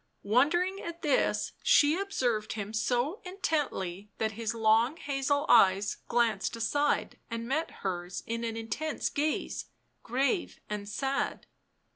Wondering at this she observed him so intently that his long hazel eyes glanced aside and met hers in an intense gaze, grave and sad.